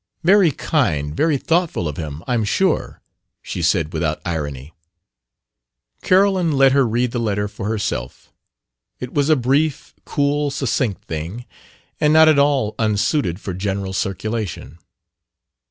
"Very kind, very thoughtful of him, I'm sure," she said without irony. Carolyn let her read the letter for herself. It was a brief, cool, succinct thing, and not at all unsuited for general circulation.